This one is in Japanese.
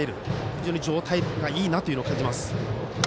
非常に状態がいいと感じます。